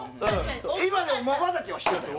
今のまばたきはしてたよ